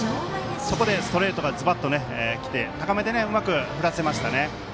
そこでストレートがズバッときて、高めでうまく振らせましたね。